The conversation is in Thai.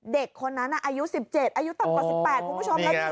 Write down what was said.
เด็กคนนั้นอายุ๑๗อายุต่ำกว่า๑๘คุณผู้ชม